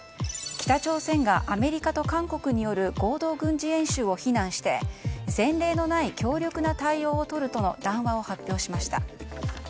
北朝鮮が、アメリカと韓国による合同軍事演習を非難して前例のない強力な対応をとるとの談話を発表しました。